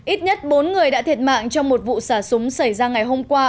ít nhất bốn người đã thiệt mạng trong một vụ xả súng xảy ra ngày hôm qua